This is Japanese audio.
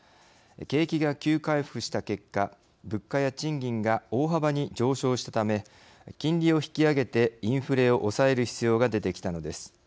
景気が急回復した結果物価や賃金が大幅に上昇したため金利を引き上げてインフレを抑える必要が出てきたのです。